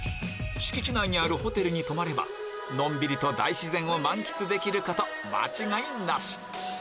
敷地内にあるホテルに泊まればのんびりと大自然を満喫できること間違いなし！